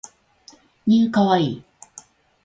new kawaii